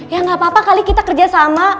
ya enggak apa apa kali kita kerja sama